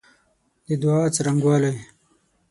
د دعا څرنګوالی